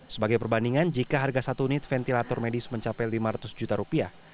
sebagai perbandingan jika harga satu unit ventilator medis mencapai lima ratus juta rupiah